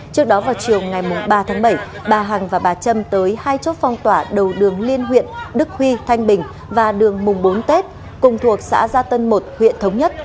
trước đó vào chiều ngày ba tháng bảy bà hằng và bà trâm tới hai chốt phong tỏa đầu đường liên huyện đức huy thanh bình và đường mùng bốn tết cùng thuộc xã gia tân một huyện thống nhất